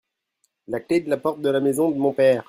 La clé de la porte de la maison de mon père.